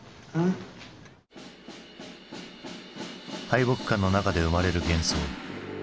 敗北感の中で生まれる幻想。